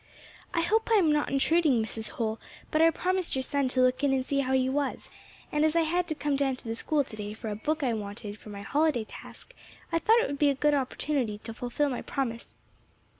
"I hope I am not intruding, Mrs. Holl, but I promised your son to look in and see how he was; and as I had to come down to the School to day for a book I wanted for my holiday task, I thought it would be a good opportunity to fulfil my promise."